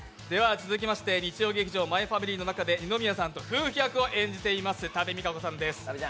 続いて日曜劇場「マイファミリー」で二宮さんと夫婦役を演じています多部未華子さんです。